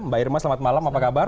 mbak irma selamat malam apa kabar